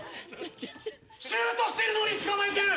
シュートしてるのにつかまえてる！